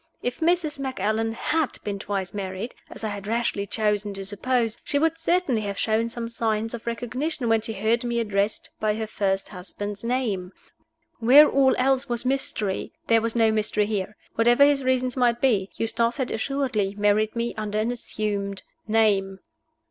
If Mrs. Macallan had been twice married (as I had rashly chosen to suppose), she would certainly have shown some signs of recognition when she heard me addressed by her first husband's name. Where all else was mystery, there was no mystery here. Whatever his reasons might be, Eustace had assuredly married me under an assumed name.